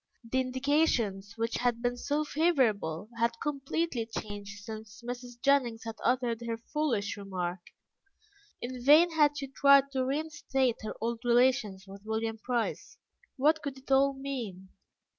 The indications, which had been so favourable, had completely changed since Mrs. Jennings had uttered her foolish remark; in vain had she tried to reinstate her old relations with William Price. What could it all mean?